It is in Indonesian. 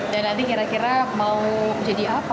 dan nanti kira kira mau jadi apa